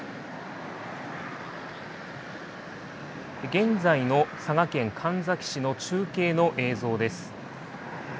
現在の佐賀県神埼市の中継の映像です。